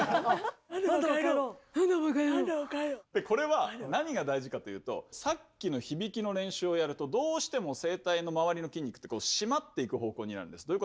これは何が大事かというとさっきの響きの練習をやるとどうしても声帯のまわりの筋肉って締まっていく方向になるんです。